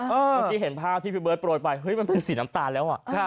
เมื่อกี้เห็นภาพที่พี่เบิร์ดโปรยไปเฮ้ยมันเป็นสีน้ำตาลแล้ว